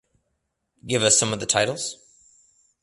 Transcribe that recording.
Give us some of the titles?